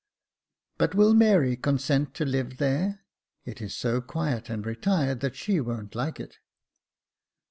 " But will Mary consent to live there ? It is so quiet and retired that she wo'n't like it."